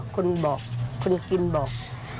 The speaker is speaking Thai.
คนบอกคนกินบอก